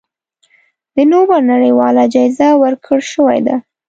د نوبل نړیواله جایزه ورکړی شوې ده.